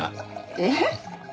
えっ？